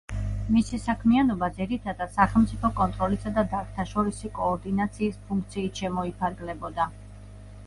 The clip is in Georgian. მისი საქმიანობა ძირითადად სახელმწიფო კონტროლისა და დარგთაშორისი კოორდინაციის ფუნქციით შემოიფარგლებოდა.